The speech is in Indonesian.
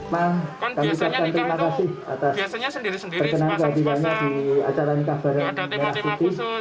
pertanyaan terima kasih atas perkenalan bagiannya di acara nikah bareng merah putih